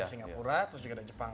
singapura terus juga ada jepang